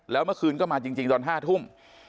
แล้วเมื่อคืนก็มาจริงตอน๕ทุ่ม